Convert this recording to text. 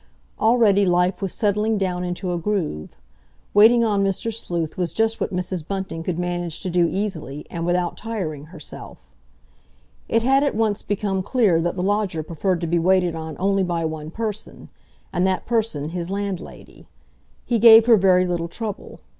Already life was settling down into a groove. Waiting on Mr. Sleuth was just what Mrs. Bunting could manage to do easily, and without tiring herself. It had at once become clear that the lodger preferred to be waited on only by one person, and that person his landlady. He gave her very little trouble.